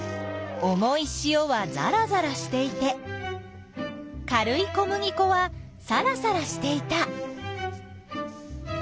重いしおはざらざらしていて軽い小麦粉はさらさらしていた。